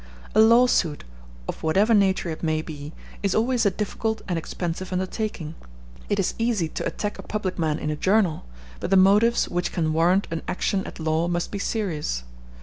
A lawsuit, of whatever nature it may be, is always a difficult and expensive undertaking. It is easy to attack a public man in a journal, but the motives which can warrant an action at law must be serious.